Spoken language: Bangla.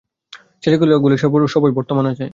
ছেলেখেলাগুলি সবই বর্তমান আছে।